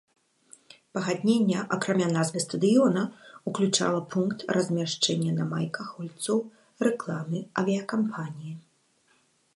Пагадненне, акрамя назвы стадыёна, уключала пункт размяшчэнні на майках гульцоў рэкламы авіякампаніі.